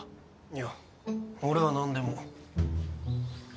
いや俺は何でも。